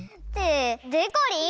でこりん！